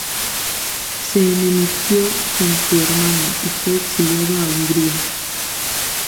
Se enemistó con su hermano y fue exiliado a Hungría.